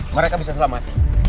mereka bisa selamat